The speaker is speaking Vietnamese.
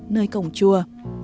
nơi cổng chùa